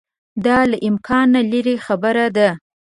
دا له امکانه لیري خبره ده.